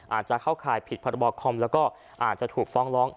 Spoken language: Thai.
อาจจะเข้าข่ายผิดพรบคอมแล้วก็อาจจะถูกฟ้องร้อง